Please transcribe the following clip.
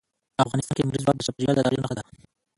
افغانستان کې لمریز ځواک د چاپېریال د تغیر نښه ده.